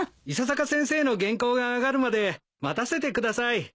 伊佐坂先生の原稿が上がるまで待たせてください。